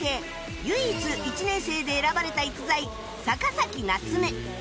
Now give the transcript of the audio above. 唯一１年生で選ばれた逸材逆先夏目